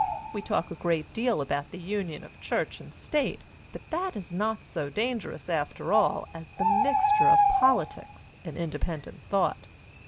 We talk a great deal about the union of church and state, but that is not so dangerous, after all, as the mixture of politics and independent thought.